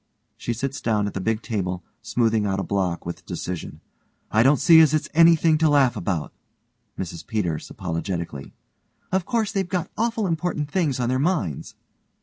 (she sits down at the big table smoothing out a block with decision) I don't see as it's anything to laugh about. MRS PETERS: (apologetically) Of course they've got awful important things on their minds.